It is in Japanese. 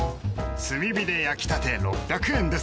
炭火で焼きたて６００円です